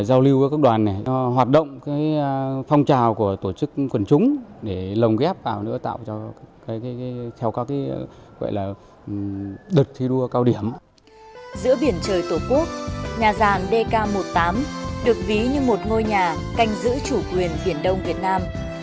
giữa biển trời tổ quốc nhà giàn dk một mươi tám được ví như một ngôi nhà canh giữ chủ quyền biển đông việt nam